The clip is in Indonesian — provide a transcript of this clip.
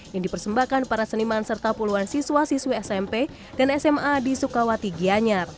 yang dipersembahkan para seniman serta puluhan siswa siswi smp dan sma di sukawati gianyar